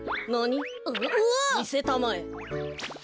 みせたまえ。